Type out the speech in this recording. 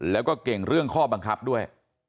แล้วก็เก่งเรื่องข้อบังคับด้วย